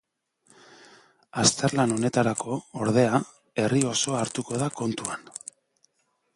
Azterlan honetarako, ordea, herri osoa hartuko da kontuan.